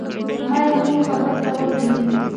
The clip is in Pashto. ما یې نورو خبرو ته غوږ ونه نیوه.